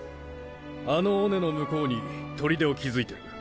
あの尾根の向こうにとりでを築いてる。